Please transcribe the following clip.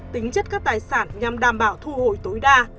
tính chất các tài sản nhằm đảm bảo thu hồi tối đa